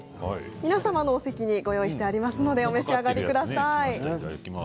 皆様のお席にご用意してありますのでお召し上がりください。